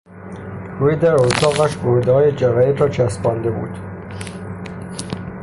روی در اتاقش بریدههای جراید را چسبانده بود.